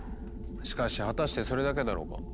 しかし果たしてそれだけだろうか？